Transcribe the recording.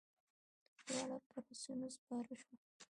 دواړه پر آسونو سپاره شول.